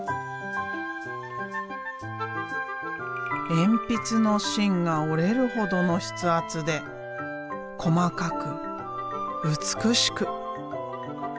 鉛筆の芯が折れるほどの筆圧で細かく美しく。